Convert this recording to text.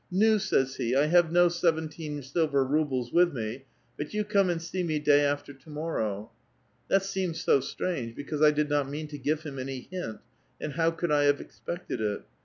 ^NuT says he, 'I have no seventeen silver rubles with mc, but you come and see me day after to morrow.' That seemed so strange, because I did not mean to give him any hint; and how could I have expected it?